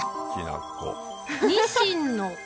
ニシンの子。